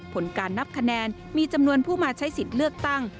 ผลการนับคะแนนมีจำนวนผู้มาใช้สิทธิ์เลือกตั้ง